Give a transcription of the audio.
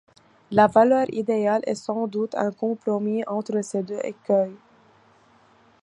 La valeur idéale est sans doute un compromis entre ces deux écueils.